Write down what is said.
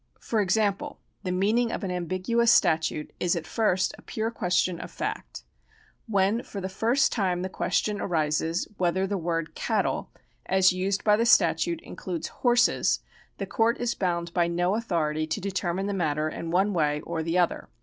For example, the meaning of an ambiguous statute is at first a pure question of fact. When for the first time the question arises whether the word " cattle " as used by the statute includes horses, the court is bound by no authority to determine the matter in one way or the other.